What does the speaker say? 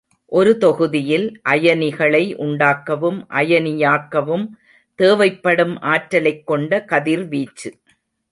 ஒரு தொகுதியில் அயனிகளை உண்டாக்கவும் அயனி யாக்கவும் தேவைப்படும் ஆற்றலைக் கொண்ட கதிர்வீச்சு.